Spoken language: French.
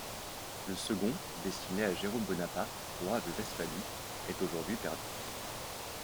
Le second, destiné à Jérôme Bonaparte, roi de Westphalie, est aujourd'hui perdu.